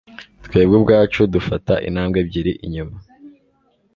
twebwe ubwacu dufata intambwe ebyiri inyuma